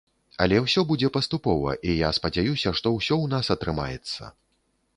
Але ўсё будзе паступова, і я спадзяюся, што ўсё ў нас атрымаецца.